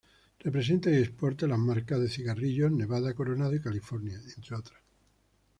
Representa y exporta las marcas de cigarrillos: Nevada, Coronado y California, entre otras.